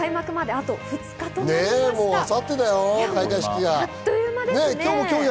あっという間ですね。